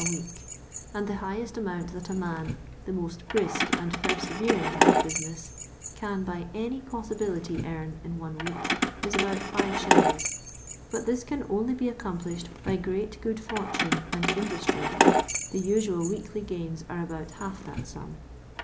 a week ; and the highest amount that a man, the most brisk and persevering at the business, con by any possibility earn in one week is about 5s., but this can only be accom plished by great good fortune and industry — the usual weekly gains are about half that sum.